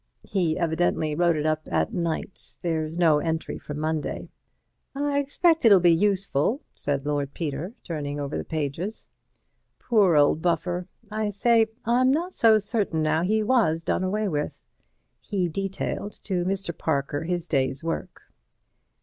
He evidently wrote it up at night. There's no entry for Monday." "I expect it'll be useful," said Lord Peter, turning over the pages. "Poor old buffer. I say, I m not so certain now he was done away with." He detailed to Mr. Parker his day's work.